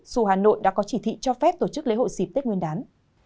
dù hà nội đã có chỉ thị cho phép tổ chức lễ hội dịp tết nguyên đán